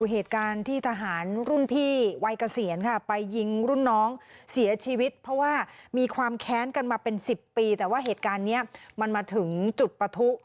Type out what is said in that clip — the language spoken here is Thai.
เหตุการณ์ที่ทหารรุ่นพี่วัยเกษียณค่ะไปยิงรุ่นน้องเสียชีวิตเพราะว่ามีความแค้นกันมาเป็น๑๐ปีแต่ว่าเหตุการณ์นี้มันมาถึงจุดประทุ